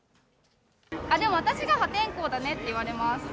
でも私が破天荒だねって言われます。